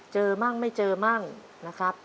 เจอบ้างไม่เจอบ้างนะครับ